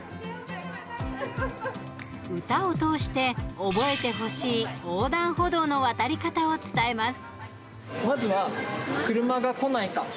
歌を通して覚えてほしい横断歩道の渡り方を伝えます。